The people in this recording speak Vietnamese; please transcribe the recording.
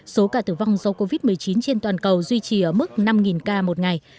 số ca tử vong do covid một mươi chín trên toàn cầu duy trì ở mức năm ca một ngày